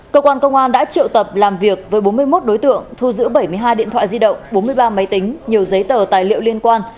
cơ quan công an đã triệu tập làm việc với bốn mươi một đối tượng thu giữ bảy mươi hai điện thoại di động bốn mươi ba máy tính nhiều giấy tờ tài liệu liên quan